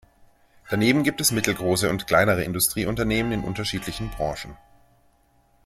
Daneben gibt es mittelgroße und kleinere Industrieunternehmen in unterschiedlichen Branchen.